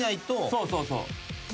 そうそうそう。